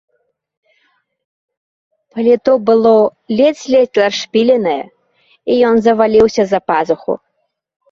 Паліто было ледзь-ледзь расшпіленае, і ён заваліўся за пазуху.